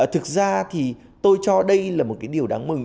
thực ra thì tôi cho đây là một cái điều đáng mừng